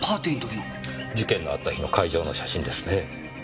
事件のあった日の会場の写真ですね。